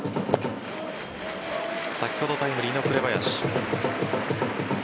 先ほど、タイムリーの紅林。